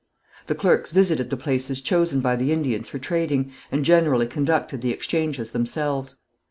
The clerks visited the places chosen by the Indians for trading, and generally conducted the exchanges themselves.